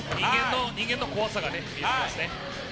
人間の怖さが見えますね。